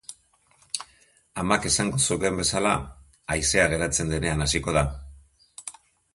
Amak esango zukeen bezala, haizea geratzen denean hasiko da.